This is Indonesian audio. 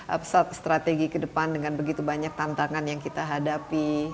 apa strategi ke depan dengan begitu banyak tantangan yang kita hadapi